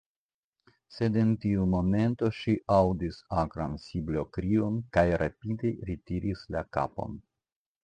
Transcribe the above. Sed en tiu momento ŝi aŭdis akran siblokrion, kaj rapide retiris la kapon.